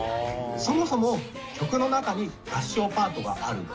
そもそも曲の中に合唱パートがある。